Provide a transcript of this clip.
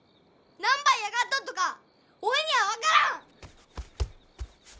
何ば嫌がっとっとかおいには分からん！